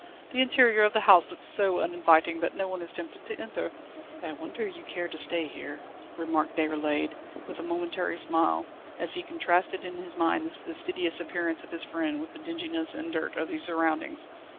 the interior of the house looks so uninviting that no one is tempted to enter." "I wonder you care to stay here," remarked Déroulède, with a momentary smile, as he contrasted in his mind the fastidious appearance of his friend with the dinginess and dirt of these surroundings.